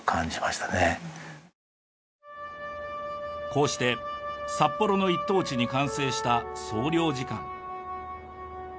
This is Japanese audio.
こうして札幌の一等地に完成した総領事館。